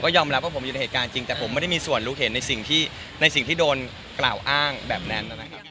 ยอมรับว่าผมอยู่ในเหตุการณ์จริงแต่ผมไม่ได้มีส่วนรู้เห็นในสิ่งที่ในสิ่งที่โดนกล่าวอ้างแบบนั้นนะครับ